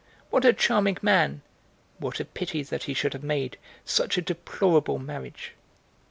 "What a charming man! What a pity that he should have made such a deplorable marriage!"